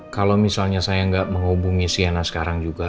kalo misalnya saya gak menghubungi shena sekarang juga